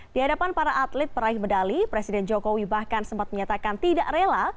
di hadapan para atlet peraih medali presiden jokowi bahkan sempat menyatakan tidak rela